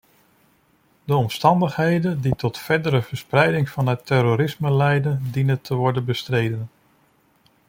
De omstandigheden die tot verdere verspreiding van het terrorisme leiden, dienen te worden bestreden.